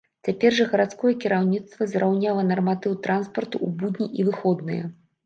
Цяпер жа гарадское кіраўніцтва зраўняла нарматыў транспарту ў будні і выходныя.